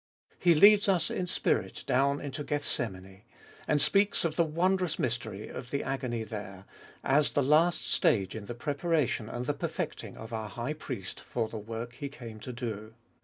He leads us in spirit down into Gethsemane, and speaks of the wondrous mystery of the agony there, as the last stage in the preparation and the perfecting of our High Priest for the work He came to do.